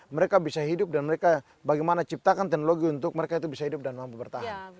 mereka bisa hidup dan mereka bagaimana ciptakan teknologi untuk mereka itu bisa hidup dan mampu bertahan